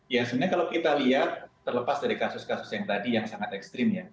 ya sebenarnya kalau kita lihat terlepas dari kasus kasus yang tadi yang sangat ekstrim ya